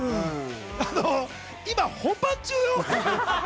あの今本番中よ？